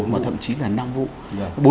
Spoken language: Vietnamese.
mà thậm chí là năm vụ